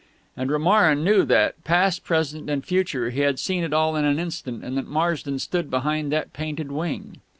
And Romarin knew that, past, present, and future, he had seen it all in an instant, and that Marsden stood behind that painted wing.